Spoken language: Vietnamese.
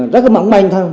rất là mẵn manh